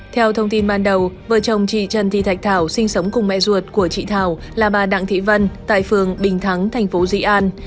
theo thông tin ban đầu vợ chồng chị trần thi thạch thảo sinh sống cùng mẹ ruột của chị thảo là bà đặng thị vân tại phường bình thắng tp di an